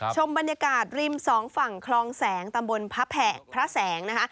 ชมบรรยากาศริมสองฝั่งคลองแสงตามบลพะแผ่งพระแสง